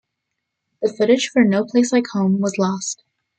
The footage for "No Place Like Home" was lost.